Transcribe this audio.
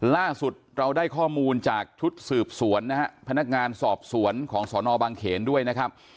ล่าสุดเราได้ข้อมูลจากชุดสืบสวนนะฮะพนักงานสอบสวนของสนบางเขนด้วยนะครับ